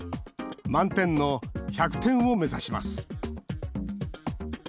満点の１００点を目指します。